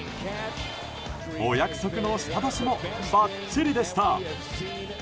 お約束の舌出しもばっちりでした。